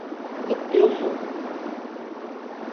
lpyung mu